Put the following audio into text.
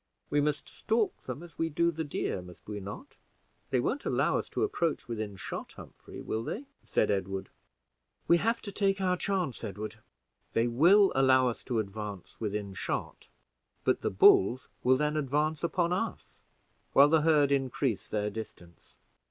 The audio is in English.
"We must stalk them as we do the deer, must we not? They won't allow us to approach within shot, Humphrey, will they?" said Edward. "We have to take our chance, Edward; they will allow us to advance within shot, but the bulls will then advance upon us, while the herd increase their distance.